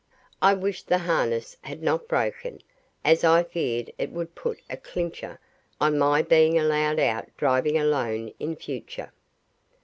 I wished the harness had not broken, as I feared it would put a clincher on my being allowed out driving alone in future.